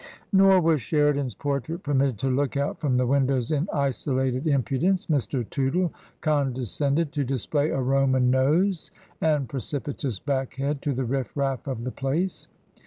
Nor was Sheridan's portrait permitted to look out from the windows in isolated impudence. Mr. Tootle condescended to display a Roman nose and precipitous back head to the riffraff' of the place.